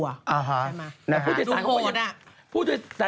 อ่าอ่าพูดโทษอ่ะ